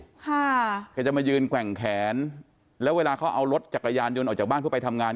ค่ะแกจะมายืนแกว่งแขนแล้วเวลาเขาเอารถจักรยานยนต์ออกจากบ้านเพื่อไปทำงาน